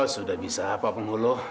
sudah bisa pak pengulo